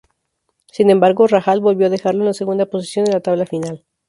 Sin embargo, Rahal volvió a dejarlo en la segunda posición en la tabla final.